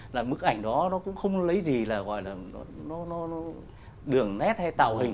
là bức ảnh đó nó cũng không lấy gì là gọi là nó đường nét hay tạo hình